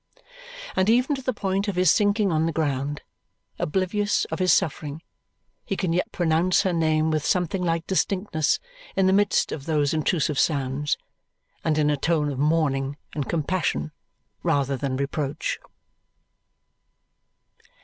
And even to the point of his sinking on the ground, oblivious of his suffering, he can yet pronounce her name with something like distinctness in the midst of those intrusive sounds, and in a tone of mourning and compassion rather than reproach.